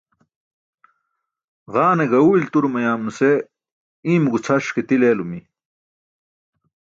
Ġaane gaẏu ilturo mayaam nuse iimo gucʰaraṣ ke til eelimi